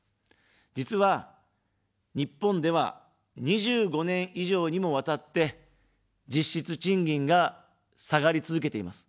実は、日本では２５年以上にもわたって、実質賃金が下がり続けています。